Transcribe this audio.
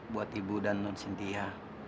buat ibu dan nonsintia